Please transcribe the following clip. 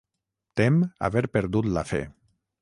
Tem haver perdut la fe.